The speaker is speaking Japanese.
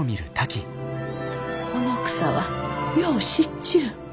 この草はよう知っちゅう。